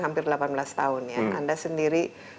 hampir delapan belas tahun ya anda sendiri